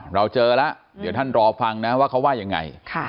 เราเจอแล้วเดี๋ยวท่านรอฟังนะว่าเขาว่ายังไง